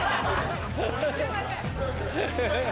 すいません。